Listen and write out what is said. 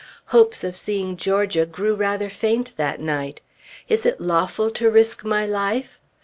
Hopes of seeing Georgia grew rather faint, that night. Is it lawful to risk my life?